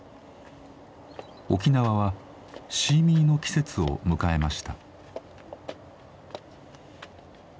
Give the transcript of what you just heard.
沖縄はシーミーの季節を迎えました。